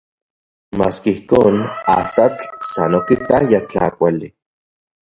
Maski ijkon, astatl san okitaya tlakuali.